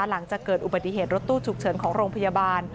หลังจากเกิดอุบัติเหตุรถตู้ฉุกเฉินของโรงพยาบาล